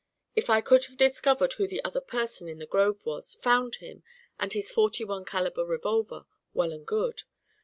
If I could have discovered who the other person in the grove was found him and his forty one calibre revolver, well and good.